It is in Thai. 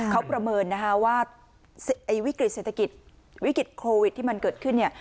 เขาประเมินว่าวิกฤติเศรษฐกิจวิกฤติโควิดที่มันเกิดขึ้น